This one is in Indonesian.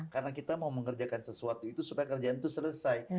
karena kita mau mengerjakan sesuatu itu supaya kerjaan itu selesai